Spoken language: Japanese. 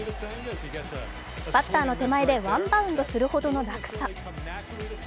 バッターの手前でワンバウンドするほどの落差。